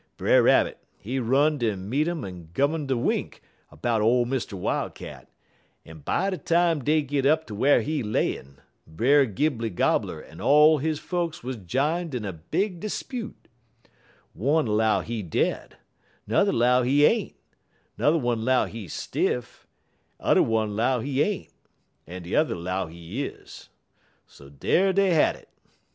Brer Rabbit, he run'd en meet um en gun um de wink 'bout ole Mr. Wildcat, en by de time dey git up ter whar he layin', Brer Gibley Gobbler en all his folks wuz jined in a big 'spute. One 'low he dead, 'n'er one 'low he ain't, 'n'er one 'low he stiff, udder one 'low he ain't, en t'udder 'low he is. So dar dey had it.